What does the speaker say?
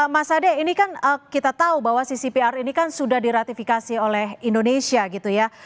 mas ade ini kan kita tahu bahwa ccpr ini kan sudah diratifikasi oleh indonesia gitu ya